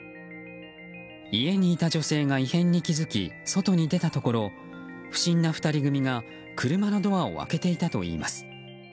家にいた女性が異変に気づき外に出たところ不審な２人組が車のドアを開けていたといいます。